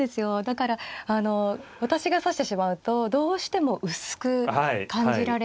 だから私が指してしまうとどうしても薄く感じられて。